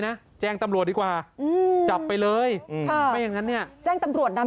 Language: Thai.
นะแจ้งตำรวจดีกว่าจับไปเลยไม่อย่างนั้นเนี่ยแจ้งตำรวจนะ